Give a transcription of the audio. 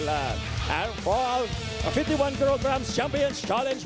และอิฟติวันการิมแคลอมหนุนแรก